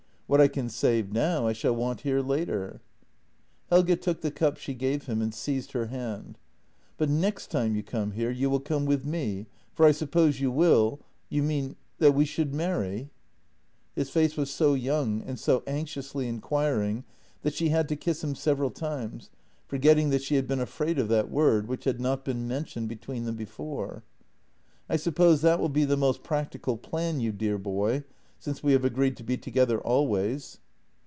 What I can save now, I shall want here later." Helge took the cup she gave him and seized her hand: "But next time you come here you will come with me; for I suppose you will — you mean — that we should marry? " His face was so young and so anxiously inquiring that she had to kiss him several times, forgetting that she had been afraid of that word, which had not been mentioned between them before. " I suppose that will be the most practical plan, you dear boy, since we have agreed to be together always."